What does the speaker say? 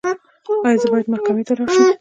ایا زه باید محکمې ته لاړ شم؟